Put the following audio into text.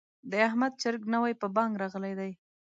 د احمد چرګ نوی په بانګ راغلی دی.